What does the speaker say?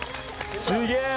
すげえ。